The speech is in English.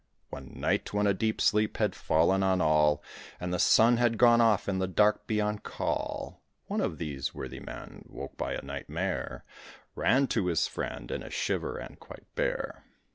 One night, when a deep sleep had fallen on all, And the sun had gone off in the dark, beyond call, One of these worthy men, woke by a nightmare, Ran to his friend, in a shiver, and quite bare.